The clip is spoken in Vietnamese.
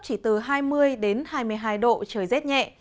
chỉ từ hai mươi đến hai mươi hai độ trời rét nhẹ